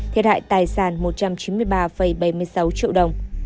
thiệt hại tài sản một trăm chín mươi ba ba